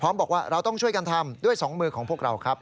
บอกว่าเราต้องช่วยกันทำด้วยสองมือของพวกเราครับ